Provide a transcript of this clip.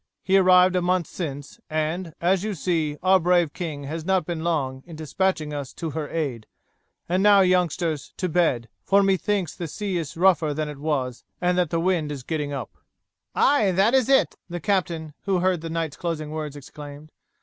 He arrived a month since, and, as you see, our brave king has not been long in despatching us to her aid; and now, youngsters, to bed, for methinks that the sea is rougher than it was and that the wind is getting up." "Aye, that is it," the captain, who heard the knight's closing words, exclaimed.